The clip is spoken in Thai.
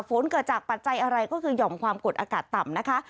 ฝนเกิดจากปัจจัยอะไรก็คือห่อมความกดอากาศต่ำนะคะ